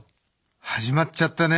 始まっちゃったね